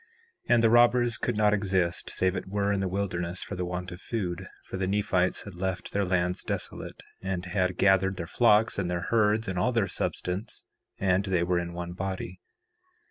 4:3 And the robbers could not exist save it were in the wilderness, for the want of food; for the Nephites had left their lands desolate, and had gathered their flocks and their herds and all their substance, and they were in one body.